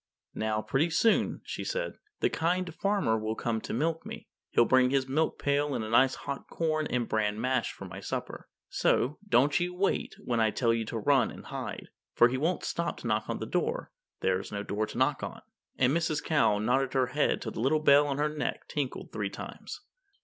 "Now, pretty soon," she said, "the Kind Farmer will come to milk me. He'll bring his milk pail and a nice hot corn and bran mash for my supper. So, don't you wait when I tell you to run and hide. For he won't stop to knock on the door there's no door to knock on." And Mrs. Cow nodded her head till the little bell at her neck tinkled three times.